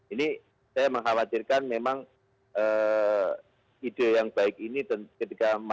ini saya mengkhawatirkan memang ide yang baik ini ketika masuk ke tahun politik nanti juga akan berubah